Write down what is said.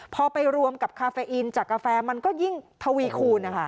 พอไปรวมกับคาเฟอินจากกาแฟมันก็ยิ่งทวีคูณนะคะ